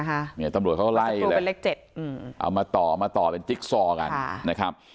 อันตรวจเข้าไล่เลยเอามาต่อเป็นจิ๊กซอร์กัน